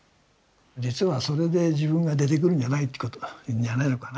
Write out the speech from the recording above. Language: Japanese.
実はそれで自分が出てくるんじゃないってことじゃないのかな？